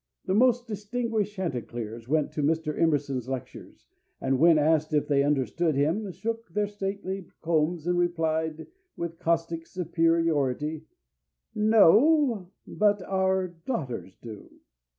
The most distinguished chanticleers went to Mr. Emerson's lectures, and when asked if they understood him, shook their stately combs and replied, with caustic superiority, "No; but our daughters do."